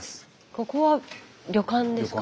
ここは旅館ですか？